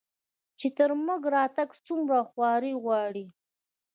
چې تر موږه راتګ څومره خواري غواړي